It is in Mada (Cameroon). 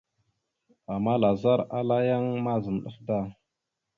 Ama lazar ala yan mazam ɗaf da.